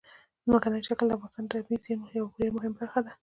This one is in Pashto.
ځمکنی شکل د افغانستان د طبیعي زیرمو یوه ډېره مهمه برخه ده.